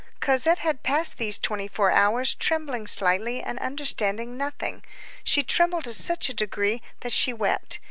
Cosette had passed these twenty four hours trembling silently and understanding nothing. She trembled to such a degree that she wept.